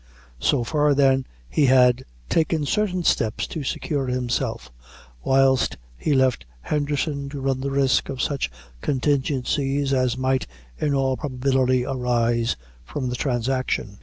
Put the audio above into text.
So far, then, he had taken certain steps to secure himself, whilst he left Henderson to run the risk of such contingencies as might in all probability arise from the transaction.